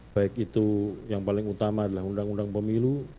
baik itu yang paling utama adalah undang undang pemilu